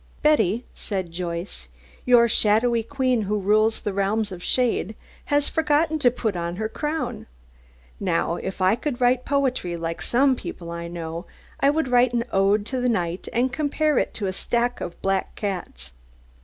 "Betty," said Joyce, "your 'shadowy queen who rules the realms of shade' has forgotten to put on her crown. Now if I could write poetry like some people I know, I would write an ode to Night and compare it to a stack of black cats.